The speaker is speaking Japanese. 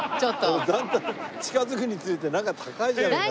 俺だんだん近づくにつれてなんか高いじゃないか。